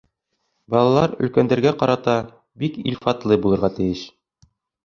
Балалар өлкәндәргә ҡарата бик илтифатлы булырға тейеш.